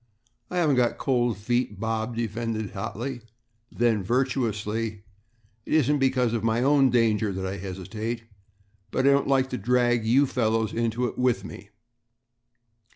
"I haven't got cold feet," Bob defended hotly, then virtuously, "it isn't because of my own danger that I hesitate, but I don't like to drag you fellows into it with me."